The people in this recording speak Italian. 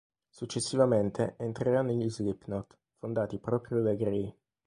Successivamente entrerà negli Slipknot, fondati proprio da Gray.